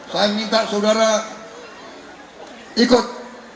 saya minta saudara ikut